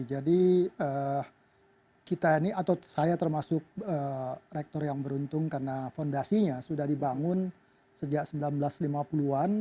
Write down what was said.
jadi kita ini atau saya termasuk rektor yang beruntung karena fondasinya sudah dibangun sejak seribu sembilan ratus lima puluh an